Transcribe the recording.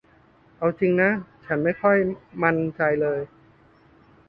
เอาจริงนะ ฉันไม่ค่อยมันใจเลย